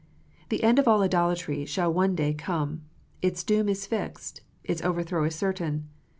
The end of all idolatry shall one day come. Its doom is fixed. Its overthrow is certain.